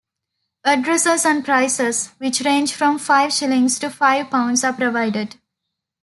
Addresses and prices, which range from five shillings to five pounds, are provided.